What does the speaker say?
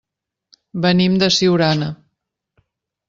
Venim de Siurana.